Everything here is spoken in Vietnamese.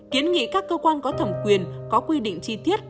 kiến nghị các cơ quan có thẩm quyền có quy định chi tiết